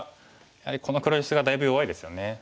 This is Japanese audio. やはりこの黒石がだいぶ弱いですよね。